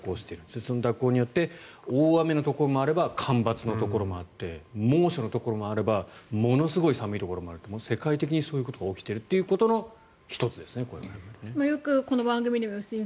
その蛇行によって大雨のところもあれば干ばつのところもある猛暑のところもあればものすごく寒いところもあるという世界的にそういうことが起きている１つですね。